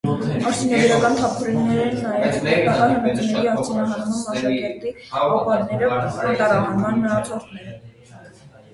Արդյունաբերական թափոններ են նաև օգտակար հանածոների արդյունահանման մակաշերտի ապարները, անտառհատման մնացորդները։